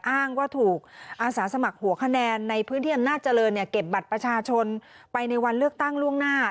อ้างว่าถูกอาสาสมัครหัวคะแนนในพื้นที่อำนาจเจริญเนี่ยเก็บบัตรประชาชนไปในวันเลือกตั้งล่วงหน้า